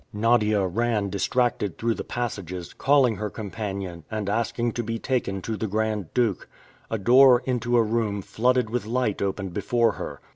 Nadia ran distracted through the passages, calling her companion, and asking to be taken to the Grand Duke. A door into a room flooded with light opened before her.